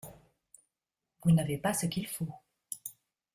Vous n'avez pas ce qu'il faut.